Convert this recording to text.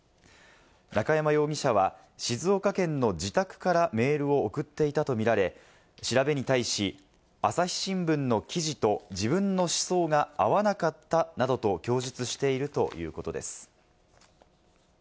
中山容疑者は静岡県の自宅からメールを送っていたとみられ、調べに対し、朝日新聞の記事と自分の思想が合わなかったなどと供述しているということです。